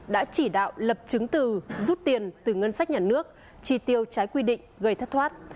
đã chỉ đạo lập chứng từ rút tiền từ ngân sách nhà nước chi tiêu trái quy định gây thất thoát